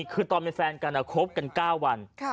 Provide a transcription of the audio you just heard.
คือตอนเป็นแฟนกันคบกัน๙วัน